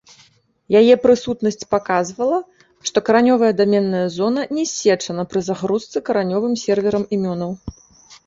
Яе прысутнасць паказвала, што каранёвая даменная зона не ссечана пры загрузцы каранёвым серверам імёнаў.